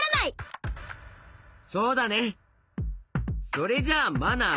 それじゃあマナー